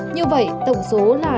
như vậy tổng số là